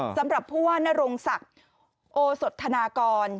สำหรับผู้ว่านรงศักดิ์โอสดธนากร